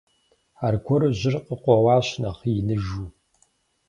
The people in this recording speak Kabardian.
Аргуэру жьыр къыкъуэуащ, нэхъ иныжу.